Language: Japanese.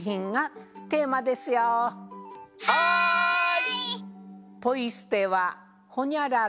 はい！